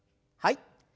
はい。